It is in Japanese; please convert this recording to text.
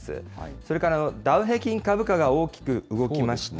それからダウ平均株価が大きく動きました。